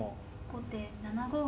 後手７五銀。